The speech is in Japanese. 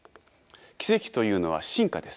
奇跡というのは進化です。